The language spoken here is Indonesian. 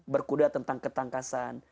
berkuda tentang ketangkasan